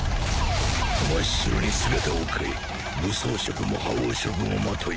真っ白に姿を変え武装色も覇王色もまとい